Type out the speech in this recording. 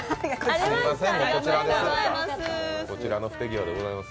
すいませんね、こちらの不手際でございます。